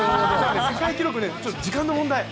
世界記録、時間の問題。